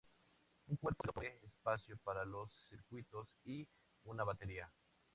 Un cuerpo sólido provee espacio para los circuitos y una batería.